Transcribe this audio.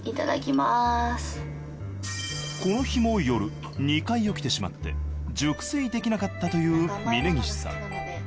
この日も夜２回起きてしまって熟睡できなかったという峯岸さん。